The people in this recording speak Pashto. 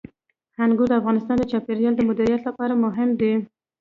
انګور د افغانستان د چاپیریال د مدیریت لپاره مهم دي.